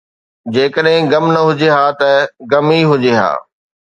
جيڪڏهن غم نه هجي ها ته غم ئي هجي ها